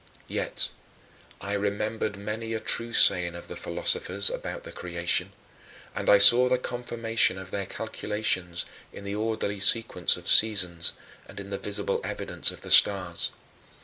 " 6. Yet I remembered many a true saying of the philosophers about the creation, and I saw the confirmation of their calculations in the orderly sequence of seasons and in the visible evidence of the stars.